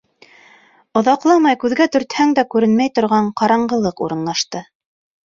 Оҙаҡламай күҙгә төртһәң дә күренмәй торған ҡараңғылыҡ урынлашты.